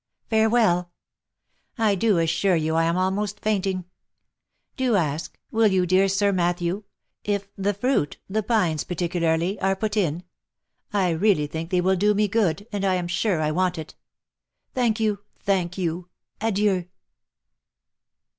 Farewell ! I do assure you I am almost fainting ! Do ask — will you, dear Sir Matthew ?— if the fruit, the pines particularly, are put in. I really think they will do me good, and I am sure I want it. Thank you ! thank you ! Adieu